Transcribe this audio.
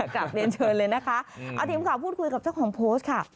กลับเรียนเชิญเลยนะคะเอาทีมข่าวพูดคุยกับเจ้าของโพสต์ค่ะ